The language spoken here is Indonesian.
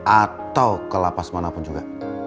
atau ke lapas manapun juga